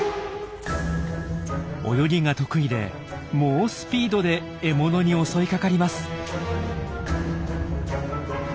泳ぎが得意で猛スピードで獲物に襲いかかります。